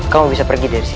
kamu bisa pergi dari sini